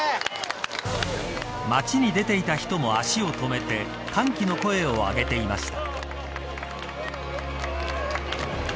街に出ていた人も足を止めて歓喜の声を上げていました。